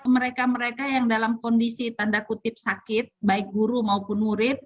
mereka mereka yang dalam kondisi tanda kutip sakit baik guru maupun murid